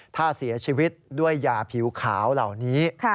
ถ้าเสียชีวิตด้วยยาผิวขาวเหล่านี้